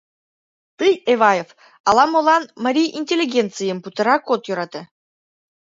Тый, Эваев, ала-молан марий интеллигенцийым путырак от йӧрате.